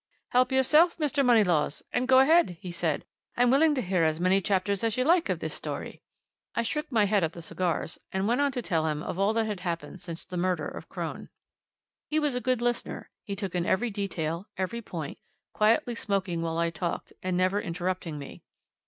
"Help yourself, Mr. Moneylaws and go ahead," he said. "I'm willing to hear as many chapters as you like of this story." I shook my head at the cigars and went on to tell him of all that had happened since the murder of Crone. He was a good listener he took in every detail, every point, quietly smoking while I talked, and never interrupting me.